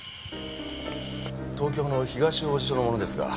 東京の東王子署の者ですが。